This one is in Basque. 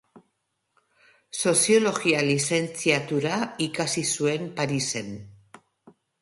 Soziologia lizentziatura ikasi zuen Parisen.